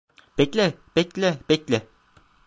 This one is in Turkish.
Bekle, bekle, bekle.